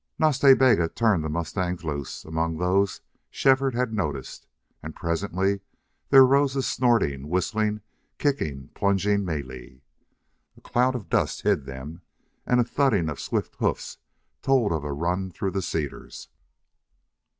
Nas Ta Bega turned the mustangs loose among those Shefford had noticed, and presently there rose a snorting, whistling, kicking, plunging melee. A cloud of dust hid them, and then a thudding of swift hoofs told of a run through the cedars.